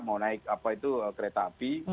mau naik kereta api